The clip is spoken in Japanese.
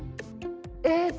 えっ？